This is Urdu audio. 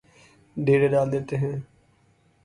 ڈیرے ڈال دیتے ہیں